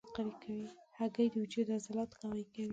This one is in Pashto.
هګۍ د وجود عضلات قوي کوي.